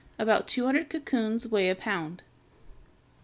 About two hundred cocoons weigh a pound.